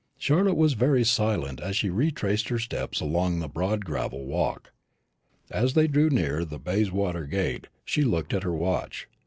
Charlotte was very silent as she retraced her steps along the broad gravel walk. As they drew near the Bayswater gate she looked at her watch.